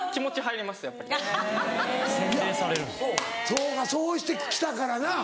そうかそうしてきたからな。